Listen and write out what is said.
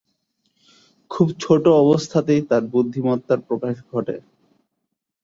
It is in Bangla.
খুব ছোট অবস্থাতেই তার বুদ্ধিমত্তার প্রকাশ ঘটে।